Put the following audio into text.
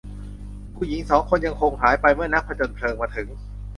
ผู้หญิงสองคนยังคงหายไปเมื่อนักผจญเพลิงมาถึง